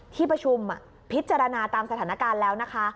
ที่ประชุมพิจารณาตามสถานการณ์แล้วนะคะ